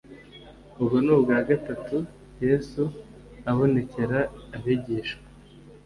ubwo ni ubwa gatatu yesu abonekera abigishwa